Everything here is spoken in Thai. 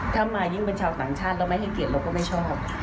ทำมายิ่งเป็นชาวฝั่งชาติแล้วไม่ให้เกลียดเราก็ไม่ชอบ